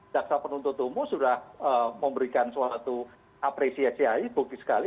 jaksa penuntut umum sudah memberikan suatu apresiasi bukti sekali